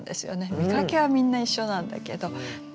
見かけはみんな一緒なんだけど特別な傘。